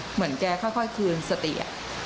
เหมือนแกค่อยคืนสติ